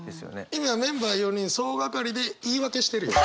今メンバー４人総掛かりで言い訳してるよ。